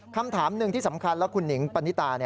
คำถามหนึ่งที่สำคัญแล้วคุณหนิงปณิตา